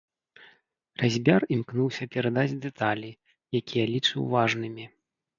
Разьбяр імкнуўся перадаць дэталі, якія лічыў важнымі.